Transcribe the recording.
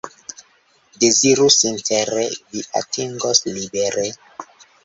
Deziru sincere, vi atingos libere.